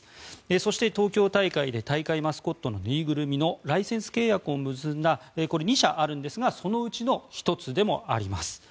そして、東京大会で大会マスコットの縫いぐるみのライセンス契約を結んだこれは２社あるんですがそのうちの１つでもあります。